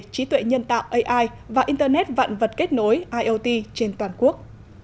trí tuệ nhân tạo và internet vạn vật kết nối trên toàn quốc